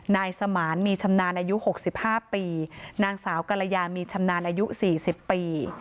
นายสมานมีชำนานอายุหกสิบห้าปีนางสาวกรรยามีชำนานอายุสี่สิบปี